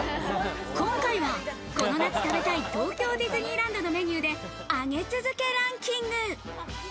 今回は、この夏食べたい東京ディズニーランドのメニューで上げ続けランキング！